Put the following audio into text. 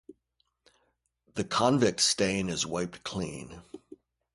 The convict stain is wiped clean.